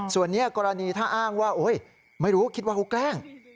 ส่วนนี้กรณีถ้าอ้างว่าไม่รู้คิดว่าเขาแกล้ง